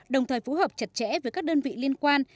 đồng thời phối hợp chặt chẽ với các đơn vị liên quan